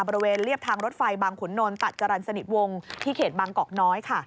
บริเวณเรียบทางรถไฟบางขุนนลตัดจรรย์สนิทวงที่เขตบางกอกน้อยค่ะ